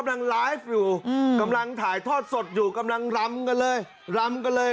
นางไลฟ์อยู่อืมกำลังถ่ายทอดสดอยู่กำลังรำกันเลยรำกันเลย